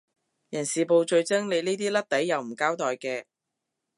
人事部最憎你呢啲甩底又唔交代嘅